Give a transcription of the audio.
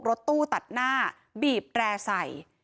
รถตู้ตัดหน้าบีบแร่ใส่